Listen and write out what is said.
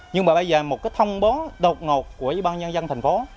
nhưng mà bây giờ một cái thông bố đột ngột của vị ban dân dân thành phố